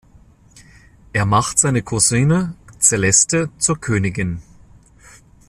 Er macht seine Cousine Celeste zur Königin.